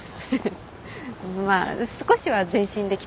まあ少しは前進できたかなって。